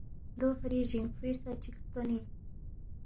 دو فری جینگفوئی سا چک ہلتونی۔